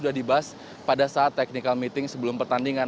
dan ini sebenarnya sudah dibahas pada saat technical meeting sebelum pertandingan